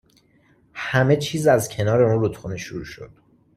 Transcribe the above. همه چیز از کنار اون رودخونه شروع شد